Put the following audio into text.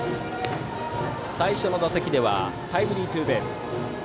最初の打席ではタイムリーツーベース。